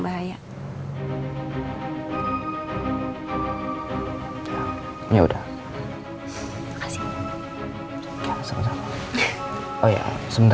ma kamu udah makan